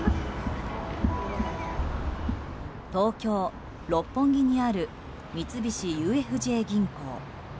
東京・六本木にある三菱ＵＦＪ銀行。